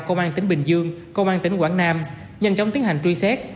công an tỉnh bình dương công an tỉnh quảng nam nhanh chóng tiến hành truy xét